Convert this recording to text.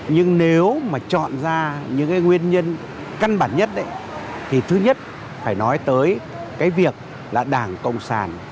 nhưng nếu mà chọn ra những cái nguyên nhân căn bản nhất thì thứ nhất phải nói tới cái việc là đảng cộng sản